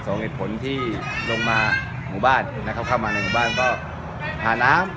เหตุผลที่ลงมาหมู่บ้านนะครับเข้ามาในหมู่บ้านก็หาน้ำ